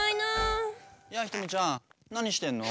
やあひとみちゃんなにしてんの？